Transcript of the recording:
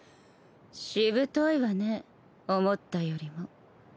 しぶといわね思ったよりも